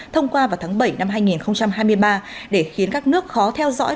thông qua vào tháng bảy năm hai nghìn hai mươi ba để khiến các nước khó theo dõi